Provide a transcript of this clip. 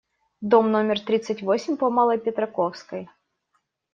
Дом номер тридцать восемь по Малой Петраковской.